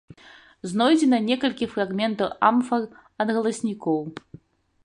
Знойдзена некалькі фрагментаў амфар ад галаснікоў.